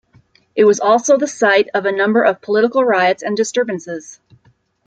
It was also the site of a number of political riots and disturbances.